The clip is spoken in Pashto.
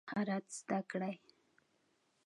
مهارت زده کړئ